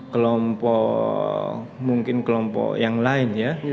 kelompok mungkin kelompok yang lain ya